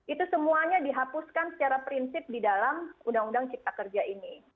itu semuanya dihapuskan secara prinsip di dalam undang undang cipta kerja ini